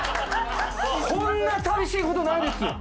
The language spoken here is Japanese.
こんな寂しい事ないですよ。